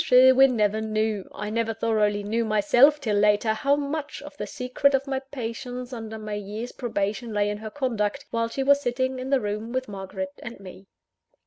Sherwin never knew, I never thoroughly knew myself till later, how much of the secret of my patience under my year's probation lay in her conduct, while she was sitting in the room with Margaret and me.